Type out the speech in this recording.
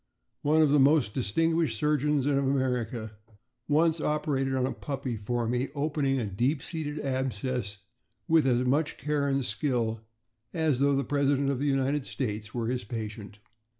One of the most distinguished surgeons of America once operated on a puppy for me, opening a deep seated abscess with as much care and skill as though the President of the United States were his patient.